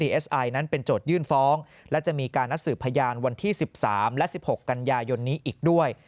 เอสไอนั้นเป็นโจทยื่นฟ้องและจะมีการนัดสืบพยานวันที่๑๓และ๑๖กันยายนนี้อีกด้วย